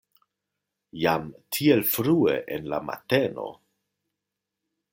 Jam tiel frue en la mateno?